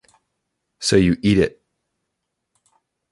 So you eat it.